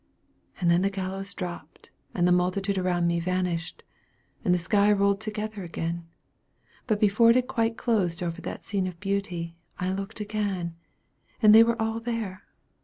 And then the gallows dropped, and the multitude around me vanished, and the sky rolled together again; but before it had quite closed over that scene of beauty, I looked again, and they were all there.